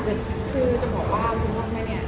ใช่ค่ะคือจะบอกว่าพวกแม่เนี่ย